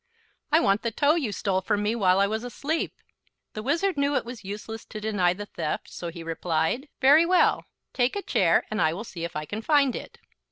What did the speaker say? "I want the toe you stole from me while I was asleep." The Wizard knew it was useless to deny the theft, so he replied: "Very well; take a chair, and I will see if I can find it."